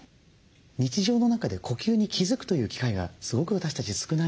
日常の中で呼吸に気付くという機会がすごく私たち少ないんです。